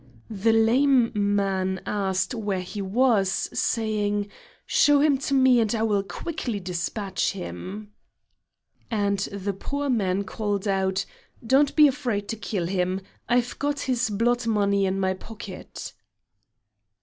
The lame man asked where he was, saying, "Show him to me, and I will quickly despatch him." And the poor man called out: "Don't be afraid to kill him; I've got his blood money in my pocket."